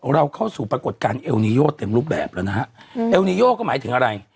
เราเข้าสู่ปรากฏการณ์เอลนีโยเต็มรูปแบบแล้วนะฮะเอลนีโยก็หมายถึงอะไร